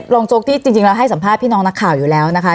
โจ๊กที่จริงแล้วให้สัมภาษณ์พี่น้องนักข่าวอยู่แล้วนะคะ